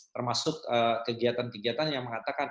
termasuk kegiatan kegiatan yang mengatakan